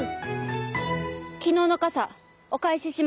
昨日の傘お返ししますわ。